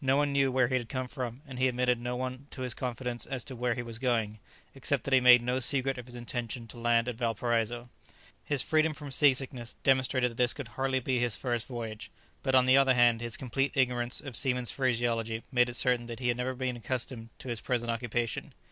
No one knew where he had come from, and he admitted no one to his confidence as to where he was going, except that he made no secret of his intention to land at Valparaiso. His freedom from sea sickness demonstrated that this could hardly be his first voyage, but on the other hand his complete ignorance of seamen's phraseology made it certain that he had never been accustomed to his present occupation.